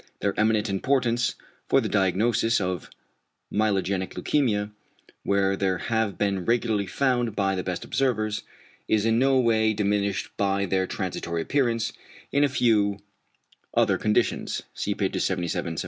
Their eminent importance for the diagnosis of myelogenic leukæmia, where they have been regularly found by the best observers, is in no way diminished by their transitory appearance in a few other conditions (see pages 77, 78).